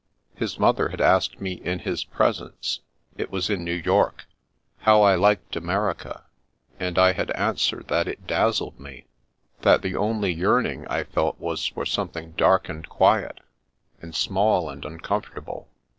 His mother had asked me in his presence (it was in New York) how I liked America, and I had answered that it dazzled me; that the only yearning I felt was for something dark and quiet, and small and uncomfortable.